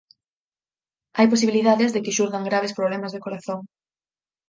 Hai posibilidades de que xurdan graves problemas de corazón.